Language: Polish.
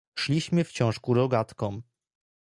"Szliśmy wciąż ku rogatkom."